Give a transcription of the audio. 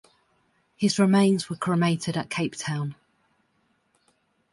His remains were cremated at Cape Town.